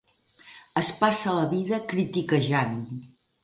Es passa la vida critiquejant.